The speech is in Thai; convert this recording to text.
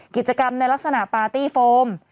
กิจกรรมในลักษณะปาร์ตี้โฟม